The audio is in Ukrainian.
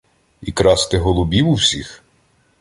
І красти голубів у всіх?